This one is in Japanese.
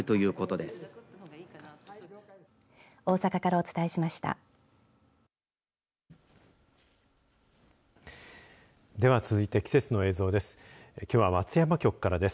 では、続いて季節の映像です。